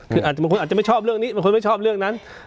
คืออาจจะไม่ชอบเรื่องนี้อาจจะไม่ชอบเรื่องนั้น